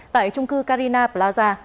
tại trung cư carina plaza